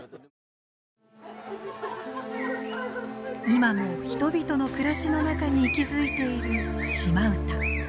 今も人々の暮らしの中に息づいている島唄。